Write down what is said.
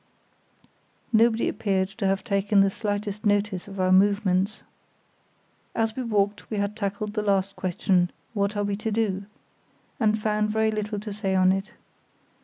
Nobody appeared to have taken the slightest notice of our movements. As we walked we had tackled the last question, "What are we to do?" and found very little to say on it.